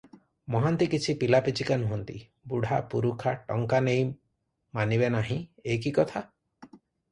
ମହାନ୍ତି କିଛି ପିଲାପିଚିକା ନୁହନ୍ତି, ବୁଢ଼ା ପୁରୁଖା, ଟଙ୍କା ନେଇ ମାନିବେ ନାହିଁ, ଏ କି କଥା?